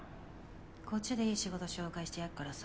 こっちでいい仕事紹介してやっからさ